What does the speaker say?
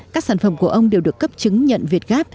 các sản phẩm của ông đều được cấp chứng nhận việt gáp